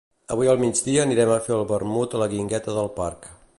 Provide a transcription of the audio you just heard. Avui al migdia anirem a fer el vermut a la guingueta del parc